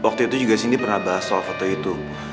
waktu itu juga cindy pernah bahas soal foto itu